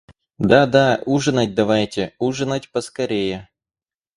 Да, да, ужинать давайте, ужинать поскорее.